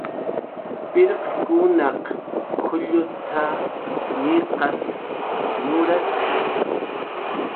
"Pirqkunaq k""ullut""a, ñiqat"" nurasli"